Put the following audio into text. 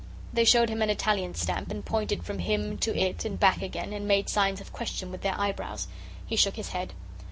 They showed him an Italian stamp, and pointed from him to it and back again, and made signs of question with their eyebrows. He shook his head.